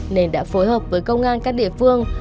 nên đã phối hợp với công an các địa phương